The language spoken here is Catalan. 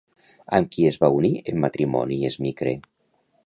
Amb qui es va unir en matrimoni Esmicre?